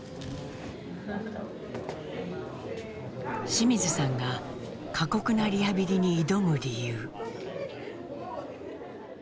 清水さんが過酷なリハビリに挑む理由。